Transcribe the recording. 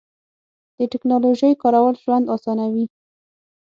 د تکنالوژۍ کارول ژوند اسانوي.